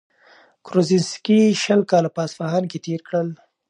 کروزینسکي شل کاله په اصفهان کي تېر کړل.